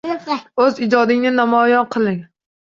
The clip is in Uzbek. \O‘z ijodingni namoyon qil!\"ng"